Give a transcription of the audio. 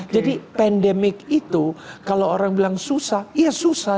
jadi pandemi itu kalau orang bilang susah ya susah